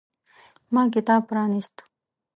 ما کتاب پرانیست.